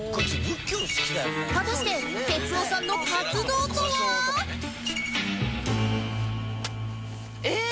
果たして哲夫さんの活動とは？えーっ！